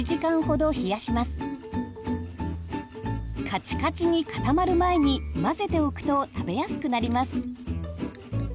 カチカチに固まる前に混ぜておくと食べやすくなります。